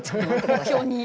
目標に。